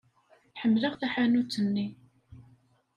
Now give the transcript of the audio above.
Ḥemmleɣ taḥanut-nni.